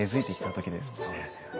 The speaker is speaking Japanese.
そうですよね。